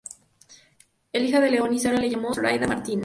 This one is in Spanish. La hija de León y Sara se llamó Zoraida Martínez.